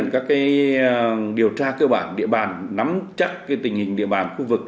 các điều tra cơ bản địa bàn nắm chắc tình hình địa bàn khu vực